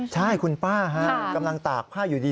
ใช่คุณป้ากำลังตากผ้าอยู่ดี